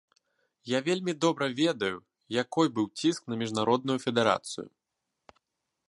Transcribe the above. Я вельмі добра ведаю, якой быў ціск на міжнародную федэрацыю.